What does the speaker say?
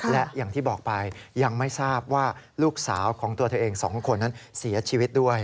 และอย่างที่บอกไปยังไม่ทราบว่าลูกสาวของตัวเธอเอง๒คนนั้นเสียชีวิตด้วย